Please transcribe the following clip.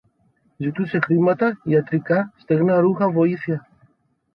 Ζητούσε χρήματα, γιατρικά, στεγνά ρούχα, βοήθεια